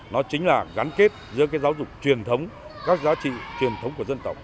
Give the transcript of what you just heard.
nó chính là gắn kết giữa giáo dục truyền thống các giá trị truyền thống của dân tộc